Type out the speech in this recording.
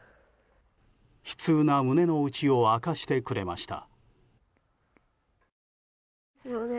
悲痛な胸の内を明かしてくれました。